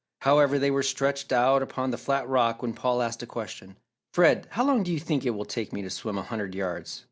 However, they were stretched out upon the flat rock when Paul asked a question. "Fred, how long do you think it will take me to swim a hundred yards?